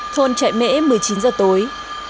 thôn chạy mẽ một mươi chín h tối